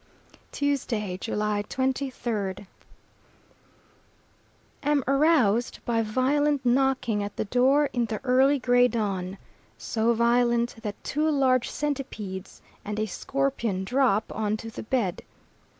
Tuesday, July 23rd. Am aroused by violent knocking at the door in the early gray dawn so violent that two large centipedes and a scorpion drop on to the bed.